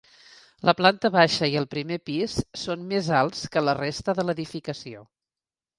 La planta baixa i el primer pis són més alts que la resta de l'edificació.